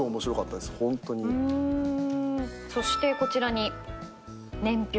そしてこちらに年表を。